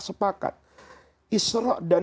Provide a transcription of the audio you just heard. sepakat isra dan